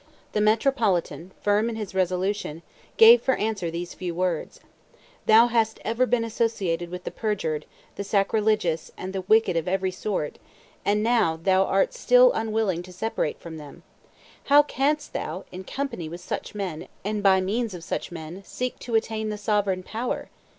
"The metropolitan, firm in his resolution, gave for answer these few words: 'Thou hast ever been associated with the perjured, the sacrilegious, and the wicked of every sort, and now thou art still unwilling to separate from them: how canst thou, in company with such men, and by means of such men, seek to attain to the sovereign power?